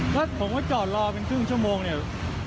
ถ้าผมก็จอดรอเป็นครึ่งชั่วโมงเนี่ย